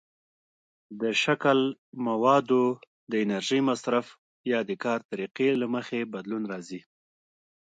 د شکل، موادو، د انرژۍ مصرف، یا د کار طریقې له مخې بدلون راځي.